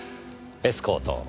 エスコートを。